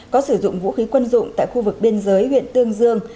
có sử dụng vũ khí quân dụng tại khu vực biên giới huyện tương dương